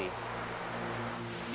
nini angkoro dulu bernama nini sundari